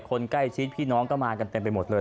คนใกล้ชิดพี่น้องก็มากันเต็มไปหมดเลย